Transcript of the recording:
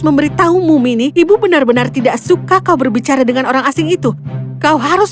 memberitahumu mini ibu benar benar tidak suka kau berbicara dengan orang asing itu kau harus